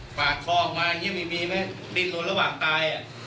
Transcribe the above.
ฝากคอออกมาอย่างเงี้ยมีมีมั้ยติดลงระหว่างตายอ่ะ